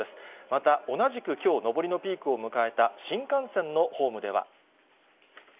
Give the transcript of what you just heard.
また同じくきょう、上りのピークを迎えた新幹線のホームでは。